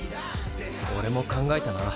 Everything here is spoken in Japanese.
おれも考えたな。